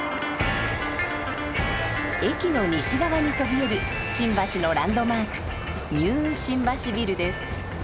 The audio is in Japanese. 駅の西側にそびえる新橋のランドマーク「ニュー新橋ビル」です。